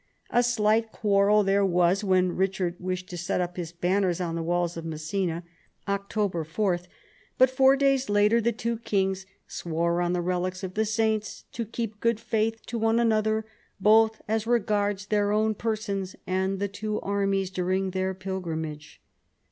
A slight quarrel there was when Richard wished to set up his banners on the walls of Messina, October 4; but four days later the two kings "swore on the relics of the saints to keep good faith to one another, both as regards their own persons and the two armies, during their pilgrimage."